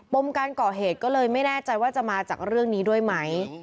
มการก่อเหตุก็เลยไม่แน่ใจว่าจะมาจากเรื่องนี้ด้วยไหม